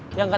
dia gak tau